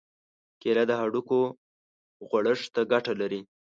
کېله د هډوکو غوړښت ته ګټه لري.